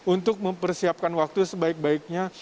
untuk mempersiapkan waktu sebaik baiknya